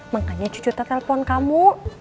makanya cucu tak telepon kamu